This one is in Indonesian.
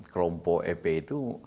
kelompok fpi itu